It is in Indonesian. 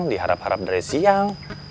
diharap harap dari siang